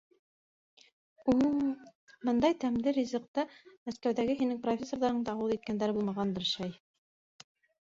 У-у... мындай тәмде ризыҡты Мәскәүҙәге һинең профессорҙарың да ауыҙ иткәндәре булмағандыр, шәй...